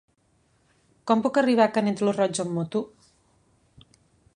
Com puc arribar a Canet lo Roig amb moto?